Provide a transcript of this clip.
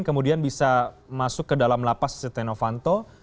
kemudian bisa masuk ke dalam lapas setenovanto